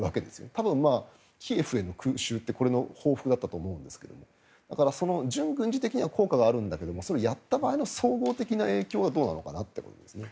多分、キーウへの空襲ってこれの報復だったと思うんですが純軍事的には効果があるんだけどそれをやった場合の総合的な影響はどうなのかなと思いますね。